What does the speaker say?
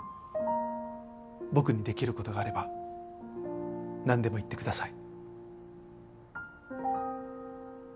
僕にできる事があればなんでも言ってください。